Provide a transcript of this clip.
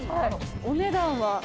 お値段は。